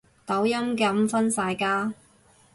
抖音噉分晒家